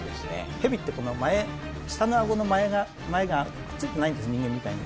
ヘビってこの前下のあごの前がくっついてないんです人間みたいに。